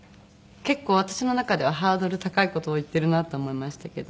結構私の中ではハードル高い事を言ってるなと思いましたけど。